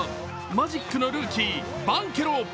マジックのルーキー、バンケロ。